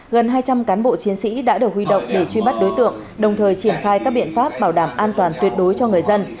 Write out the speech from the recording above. gần hai trăm linh cán bộ chiến sĩ đã được huy động để truy bắt đối tượng đồng thời triển khai các biện pháp bảo đảm an toàn tuyệt đối cho người dân